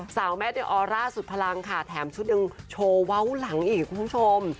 แม่เดลออร่าสุดพลังค่ะแถมชุดยังโชว์เว้าหลังอีกคุณผู้ชม